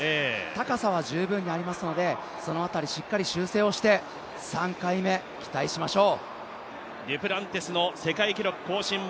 高さは十分にありますので、その辺りしっかり修正をして３回目、期待しましょう。